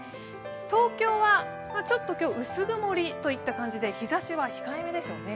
東京は今日、薄曇りといった感じで日ざしは控えめでしょうね。